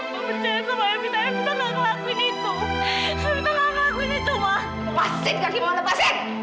ma percaya sama evita evita enggak ngelakuin itu